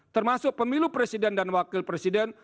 termasuk pemilu presiden dan wakil presiden